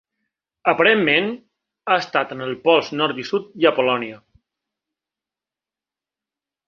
Aparentment, ha estat en els pols nord i sud i a Polònia.